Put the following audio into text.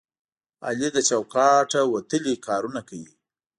علي له چوکاټ نه وتلي کارونه کوي.